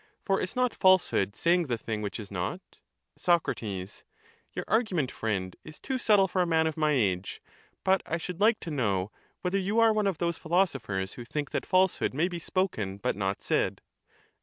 For is not false hood saying the thing which is not? Soc. Your argument, friend, is too subtle for a man of my age. But I should like to know whether you are one of those philosophers who think that falsehood may be spoken but not said?